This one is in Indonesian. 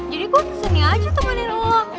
jadi gue kesennya aja temenin lo